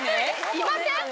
いません？